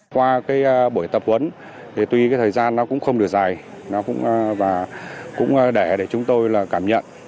qua buổi tập huấn tuy thời gian cũng không được dài cũng để chúng tôi cảm nhận